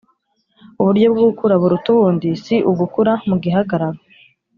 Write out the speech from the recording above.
Uburyo bwo gukura buruta ubundi si ugukura mu gihagararo